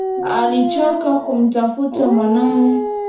Alichoka kumtafuta mwanawe